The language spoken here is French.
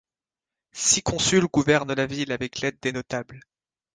Six consuls gouvernent la ville avec l'aide des notables.